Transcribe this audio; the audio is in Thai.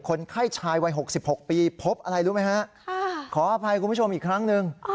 คนไข้ชายวัย๖๖ปีพบอะไรรู้ไหมฮะขออภัยคุณผู้ชมอีกครั้งหนึ่ง